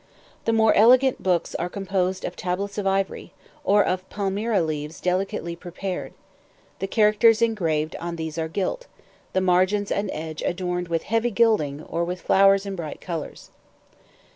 The more elegant books are composed of tablets of ivory, or of palmyra leaves delicately prepared; the characters engraved on these are gilt, the margins and edges adorned with heavy gilding or with flowers in bright colors.